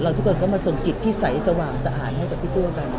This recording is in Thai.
ทุกคนก็มาส่งจิตที่ใสสว่างสะอาดให้กับพี่ตัวกัน